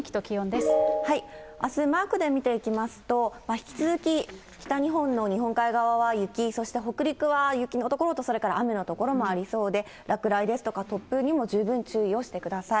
あす、マークで見ていきますと、引き続き北日本の日本海側は雪、そして北陸は雪の所と、それから雨の所もありそうで、落雷ですとか、突風にも十分注意をしてください。